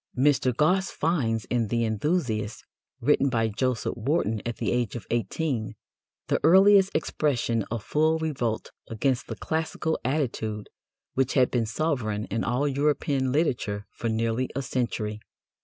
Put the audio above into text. Mr. Gosse finds in The Enthusiast, written by Joseph Warton at the age of eighteen, "the earliest expression of full revolt against the classical attitude which had been sovereign in all European literature for nearly a century."